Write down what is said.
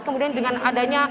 kemudian dengan adanya